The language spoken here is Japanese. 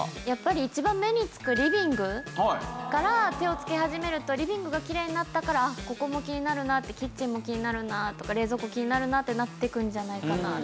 やっぱり一番目につくリビングから手をつけ始めるとリビングがきれいになったからあっここも気になるなってキッチンも気になるなとか冷蔵庫気になるなってなっていくんじゃないかな。